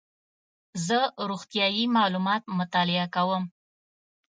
زه روغتیایي معلومات مطالعه کوم.